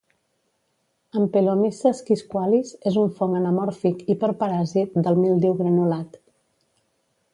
"Ampelomyces quisqualis" és un fong anamòrfic hiperparàsit del míldiu granulat.